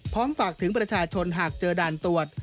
ฝากถึงประชาชนหากเจอด่านตรวจ